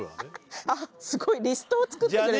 あっすごいリストを作ってくれて。